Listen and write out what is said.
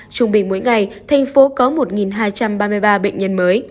trùng bình mỗi ngày thành phố có một hai trăm linh ca